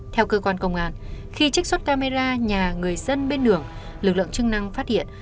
theo cơ quan công an khi trích xuất camera nhà người dân bên đường lực lượng chức năng phát hiện